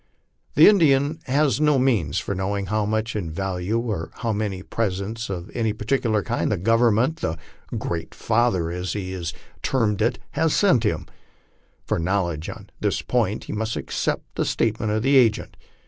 The Indian has no means of knowing how much in value or how many presents of any particular kind the Government, the " Great Father" as he LIFE ON THE PLAINS. 115 terms it, has sent him. For knowledge on this point he must accept the state ment of the agent.